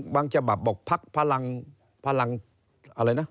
บางจบับบอกพักพลังอะไรนะ